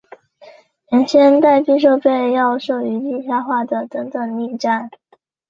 原先待避设备要设于地下化的等等力站。